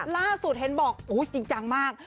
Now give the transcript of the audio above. ล่าสุดเห็นบอกจริงจังมาก